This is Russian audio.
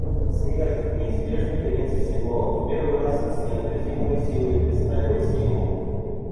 Смерть, неизбежный конец всего, в первый раз с неотразимою силой представилась ему.